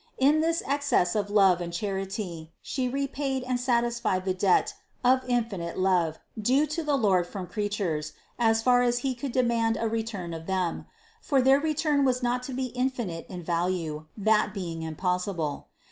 In this excess of love and charity She repaid and satisfied the debt of in THE CONCEPTION 403 finite love due to the Lord from creatures, as far as He could demand a return of them, for their return was not to be infinite in value, that being impossible.